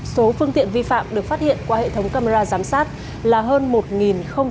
số phương tiện vi phạm được phát hiện qua hệ thống camera giám sát là hơn một hai mươi trường hợp